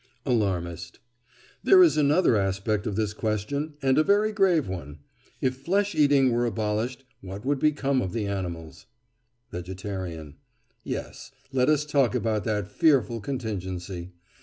ALARMIST: There is another aspect of this question, and a very grave one. If flesh eating were abolished, what would become of the animals? VEGETARIAN: Yes, let us talk about that fearful contingency.